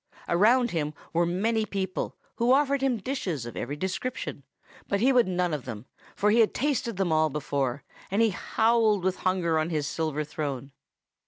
Around him were many people, who offered him dishes of every description; but he would none of them, for he had tasted them all before; and he howled with hunger on his silver throne.